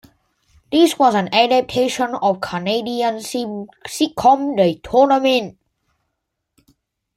This was an adaptation of the Canadian sitcom "The Tournament".